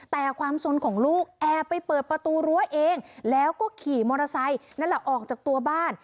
แต่ความสนของลูกแอบไปเปิดประตูรั้วเองแล้วก็ขี่มอเตอร์ไซค์นั่นแหละออกจากตัวบ้าน